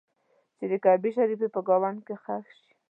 چې د کعبې شریفې په ګاونډ کې ښخ شي.